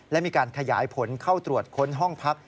และมีการขยายผลเข้าตรวจค้นห้องพัก